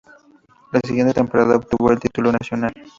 La siguiente temporada obtuvo el título nacional.